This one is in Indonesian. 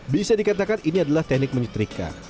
bisa dikatakan ini adalah teknik menyetrika